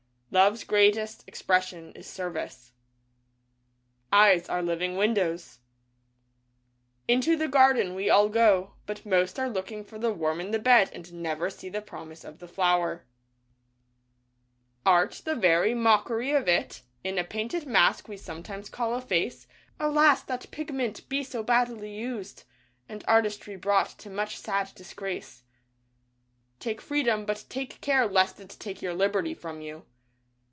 Love's greatest expression is Service. Eyes are living windows. Into the garden we all go, but most are looking for the worm in the bud and never see the promise of the flower. DAY DREAMS ART the very mockery of it In a painted mask we sometimes call a face, Alas, that pigment be so badly used And artistry brought to much sad disgrace. Take freedom but take care lest it take your liberty from you.